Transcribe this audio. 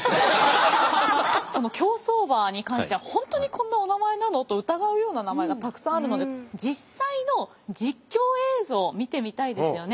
その競走馬に関しては本当にこんなおなまえなの？と疑うような名前がたくさんあるので実際の実況映像見てみたいですよね。